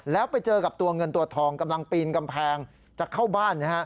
แล้วไปเจอกับตัวเงินตัวทองกำลังปีนกำแพงจะเข้าบ้าน